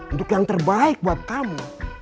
untuk yang terbaik buat kamu